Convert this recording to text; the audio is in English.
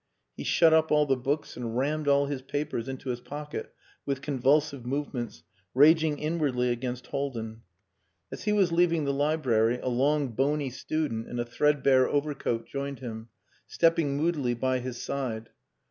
He shut up all the books and rammed all his papers into his pocket with convulsive movements, raging inwardly against Haldin. As he was leaving the library a long bony student in a threadbare overcoat joined him, stepping moodily by his side.